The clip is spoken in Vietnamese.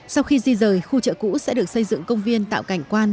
sau khi di rời khu chợ cũ sẽ được xây dựng công viên tạo cảnh quan